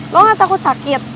lo gak takut sakit